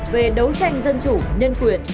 về đấu tranh dân chủ nhân quyền